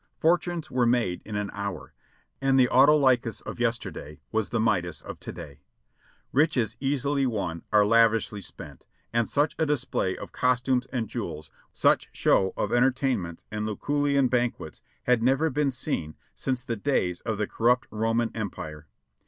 Fortunes were made in an hour, and the Autolycus of yesterday was the Midas of to day. Riches easily won are lavishly spent, and such a display of cos tumes and jewels, such show of entertainments and Lucullian ban quets had never been since the days of the corrupt Roman Empire.